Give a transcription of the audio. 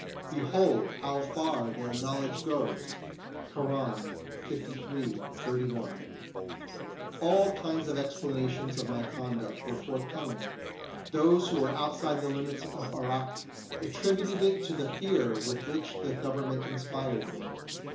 " Behold how far their knowledge goes !" (Koran, liii. 31). All kinds of explanations of my conduct were forthcoming. Those who were outside the limits of Irak attributed it to the fear with which the Government inspired me.